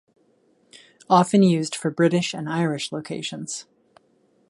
Often used for British and Irish locations.